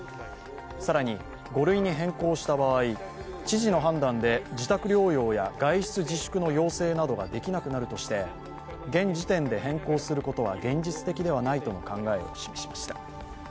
更に、５類に変更した場合知事の判断で自宅療養や外出自粛の要請などができなくなるとして現時点で変更することは現実的ではないとの考えを示しました。